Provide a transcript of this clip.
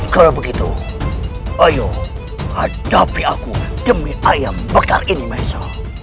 kalau begitu ayo hadapi aku demi ayam bakar ini maesty